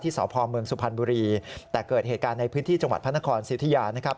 สพเมืองสุพรรณบุรีแต่เกิดเหตุการณ์ในพื้นที่จังหวัดพระนครสิทธิยานะครับ